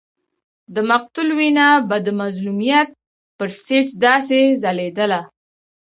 د مقتول وینه به د مظلومیت پر سټېج داسې ځلېدله.